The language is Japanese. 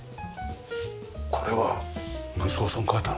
これは息子さんが描いたの？